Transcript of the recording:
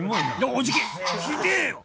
おじきひでえよ